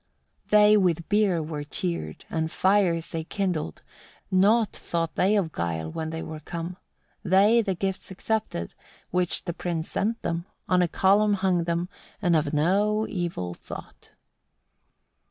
5. They with beer were cheered, and fires they kindled, naught thought they of guile, when they were come; they the gifts accepted, which the prince sent them, on a column hung them, and of no evil thought.